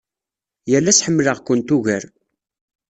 Yal ass ḥemmleɣ-kent ugar.